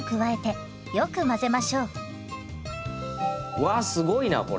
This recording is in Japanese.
わすごいなこれ！